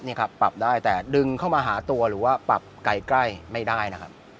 นี่ครับปรับได้แต่ดึงเข้ามาหาตัวหรือว่าปรับไกลใกล้ไม่ได้นะครับ